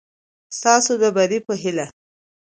ستاسو د بري په هېله